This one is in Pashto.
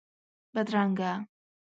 بدرنګه